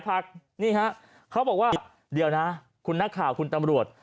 พี่พ่อบอกว่าเดี๋ยวนะคุณหน้าข่าวคุณตำรวจ